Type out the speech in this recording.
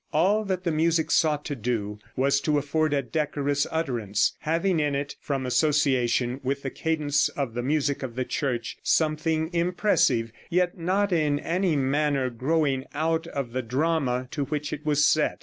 All that the music sought to do was to afford a decorous utterance, having in it, from association with the cadence of the music of the Church, something impressive, yet not in any manner growing out of the drama to which it was set.